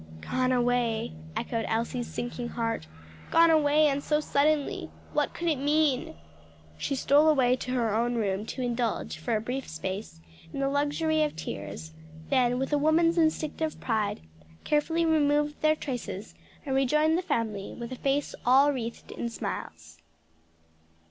"Gone away," echoed Elsie's sinking heart. "Gone away, and so suddenly! what could it mean?" She stole away to her own room to indulge, for a brief space, in the luxury of tears, then, with a woman's instinctive pride, carefully removed their traces, and rejoined the family with a face all wreathed in smiles.